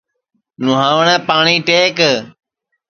نہواٹؔے پاٹؔی ٹیک